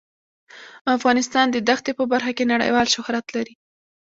افغانستان د دښتې په برخه کې نړیوال شهرت لري.